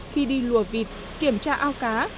khi đi lùa vịt kiểm tra ao cá